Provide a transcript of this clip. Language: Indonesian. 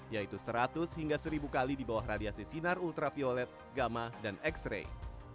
yaitu seratus hingga seribu kali di bawah radiasi sinar ultraviolet gamma dan x ray